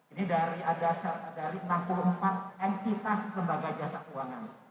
ini dari enam puluh empat entitas lembaga jasa keuangan